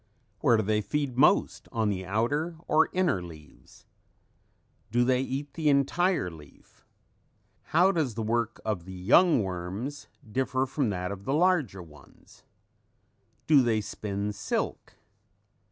Where do they feed most, on the outer or inner leaves? Do they eat the entire leaf? How does the work of the young worms differ from that of the larger ones? Do they spin silk?